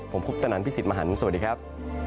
ผมคุปตนันพี่สิทธิ์มหันฯสวัสดีครับ